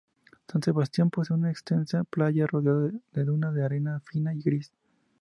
San Sebastián posee una extensa playa, rodeada de dunas de arena fina y gris.